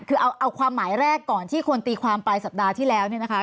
คือเอาความหมายแรกก่อนที่คนตีความปลายสัปดาห์ที่แล้วเนี่ยนะคะ